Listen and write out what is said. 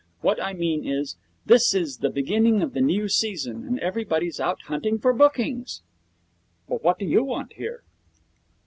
What I mean is, this is the beginning of the new season, and everybody's out hunting for bookings.' 'But what do you want here?'